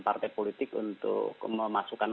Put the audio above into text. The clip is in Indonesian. partai politik untuk memasukkan